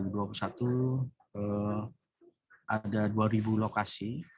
kemudian di tahun dua ribu dua puluh satu ada dua ribu lokasi